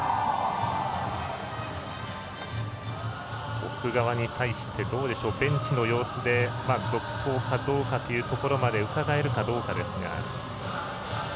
奥川に対してベンチの様子で続投かどうかというところまでうかがえるかどうかですが。